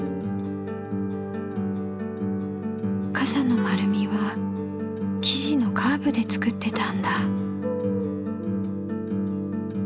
かさの丸みは生地のカーブで作ってたんだ。